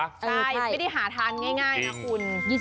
ใช่ไม่ได้หาทานง่ายนะคุณ